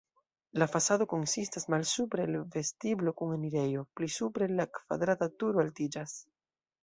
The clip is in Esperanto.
La fasado konsistas malsupre el vestiblo kun enirejo, pli supre la kvadrata turo altiĝas.